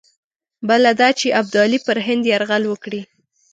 بله دا چې ابدالي پر هند یرغل وکړي.